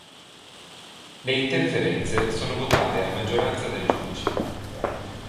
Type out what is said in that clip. Le interferenze sono votate a maggioranza dai giudici.